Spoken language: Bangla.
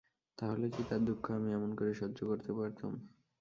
তা হলে কি তার দুঃখ আমি এমন করে সহ্য করতে পারতুম।